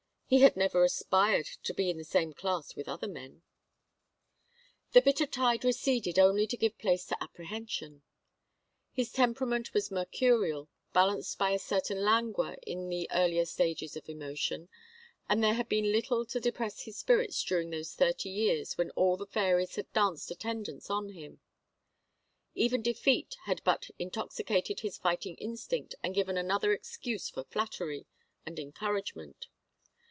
He had never aspired to be in the same class with other men. The bitter tide receded only to give place to apprehension. His temperament was mercurial, balanced by a certain languor in the earlier stages of emotion, and there had been little to depress his spirit during those thirty years when all the fairies had danced attendance on him; even defeat had but intoxicated his fighting instinct and given another excuse for flattery and encouragement.